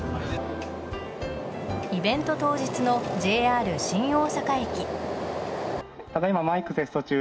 イベント当日のＪＲ新大阪駅。